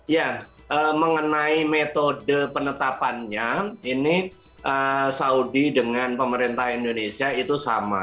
ya mengenai metode penetapannya ini saudi dengan pemerintah indonesia itu sama